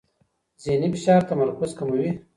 ذهني فشار تمرکز کموي.